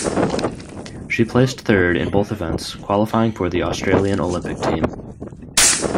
She placed third in both events, qualifying for the Australian Olympic team.